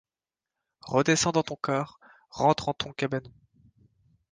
Redescends dans ton corps, rentre en ton cabanon ;